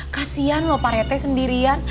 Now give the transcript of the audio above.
kasian lho pak rete sendirian